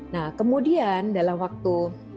nah kemudian dalam waktu